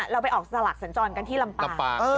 เราไปออกสลักสัญจรกันที่ลำปาง